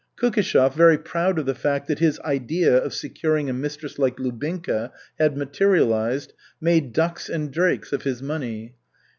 Kukishev, very proud of the fact that his "idea" of securing a mistress like Lubinka had materialized, made ducks and drakes of his money.